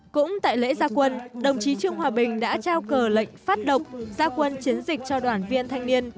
cũng tại lễ gia quân đồng chí trương hòa bình đã trao cờ lệnh phát độc gia quân chiến dịch cho đoàn viên thanh niên